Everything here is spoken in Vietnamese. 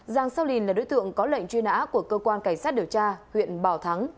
giang seo linh là đối tượng có lệnh truy nã của cơ quan cảnh sát điều tra huyện bảo thắng